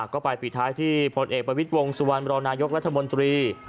ก็ไปปิดท้ายที่พลเอกประวิทย์วงสุวรรณรองนายกรัฐมนตรี